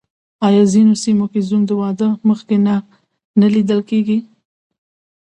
آیا په ځینو سیمو کې زوم د واده مخکې نه لیدل کیږي؟